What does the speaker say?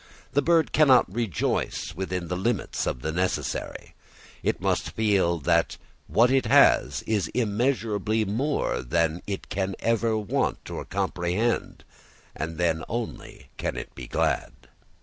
The bird cannot rejoice within the limits of the necessary. It must feel that what it has is immeasurably more than it ever can want or comprehend, and then only can it be glad.